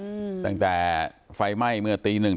ตั้งแต่ไฟไหม้เมื่อตีหนึ่ง